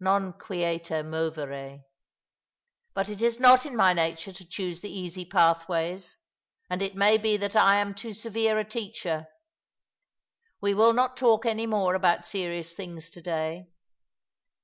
Non quieta mover e. But it is not in my nature to choose the easy pathways; and it may be that I am too severe a teacher. We will not talk any more about serious things to day.